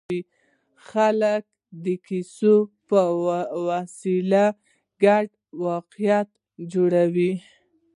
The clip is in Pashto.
خلک د کیسو په وسیله ګډ واقعیت جوړوي.